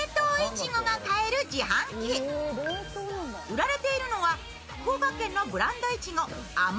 売られているのは、福岡県のブランドいちご・あ